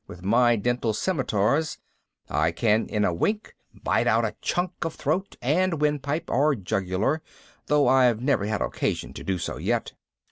With my dental scimitars I can in a wink bite out a chunk of throat and windpipe or jugular, though I've never had occasion to do so yet.